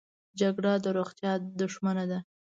جګړه د روغتیا دښمنه ده